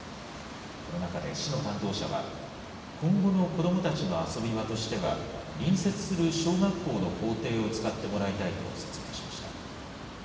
この中で市の担当者は、今後の子どもたちの遊び場としては、隣接する小学校の校庭を使ってもらいたいと説明しました。